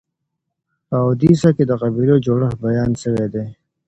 په اودیسه کي د قبیلو جوړښت بیان سوی دی.